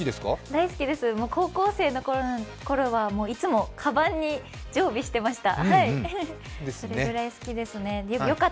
大好きです、高校生の頃はいつもかばんに常備してました。